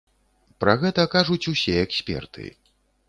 Пра гэта кажуць усе эксперты.